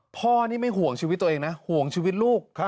พ่อนี่ไม่ห่วงชีวิตตัวเองนะห่วงชีวิตลูก